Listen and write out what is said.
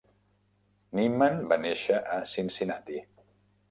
Nieman va néixer a Cincinnati.